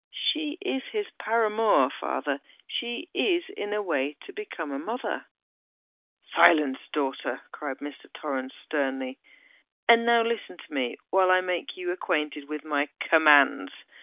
She is his paramour, father—she is in a way to become a mother——" "Silence, daughter!" cried Mr. Torrens, sternly. "And now listen to me, while I make you acquainted with my commands!